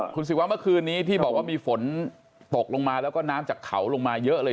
คุณศิวะเมื่อคืนนี้ที่บอกว่ามีฝนตกลงมาแล้วก็น้ำจากเขาลงมาเยอะเลย